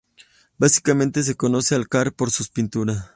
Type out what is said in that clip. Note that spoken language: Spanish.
Básicamente se conoce a Carr por sus pinturas.